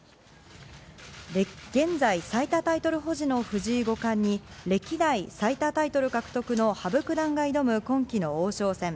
現在最多タイトル保持の藤井五冠に歴代最多タイトル獲得の羽生九段が挑む今期の王将戦。